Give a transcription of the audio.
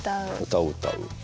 歌を歌う。